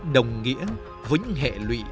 đồng nghĩa với những hệ lụy